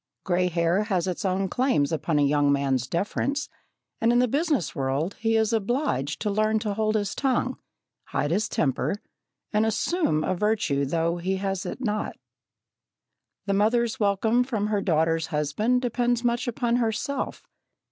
Grey hair has its own claims upon a young man's deference, and, in the business world, he is obliged to learn to hold his tongue, hide his temper, and "assume a virtue though he has it not." The mother's welcome from her daughter's husband depends much upon herself.